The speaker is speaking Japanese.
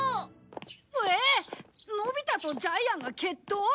のび太とジャイアンが決闘！？